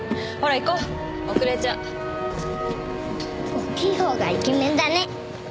おっきいほうがイケメンだね。